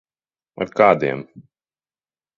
Ar kādiem?